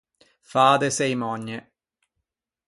Fâ de çeimònie.